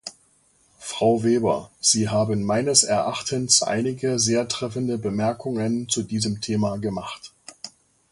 Frau Weber, Sie haben meines Erachtens einige sehr treffende Bemerkungen zu diesem Thema gemacht.